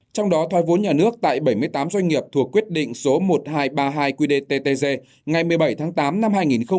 trong đó thoái vốn nhà nước tại bảy mươi tám doanh nghiệp thuộc quyết định số một nghìn hai trăm ba mươi hai qdttg ngày một mươi bảy tháng tám năm hai nghìn một mươi bảy